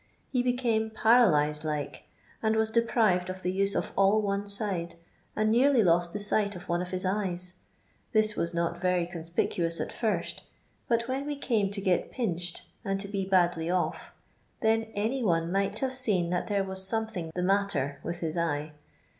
He became paralysed like, and was deprived of the use of all one side, and nearly lost the sight of one of hb eyes; this was not wry con spicuous at first, but when we came to get pinched, and to be badly off, then any one might faavejeen that there was something the matter with hia eye.